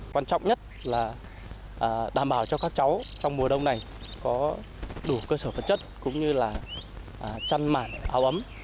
quan trọng nhất là đảm bảo cho các cháu trong mùa đông này có đủ cơ sở vật chất cũng như là chăn màn áo ấm